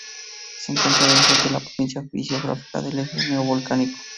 Se encuentra dentro de la provincia fisiográfica del Eje Neovolcánico.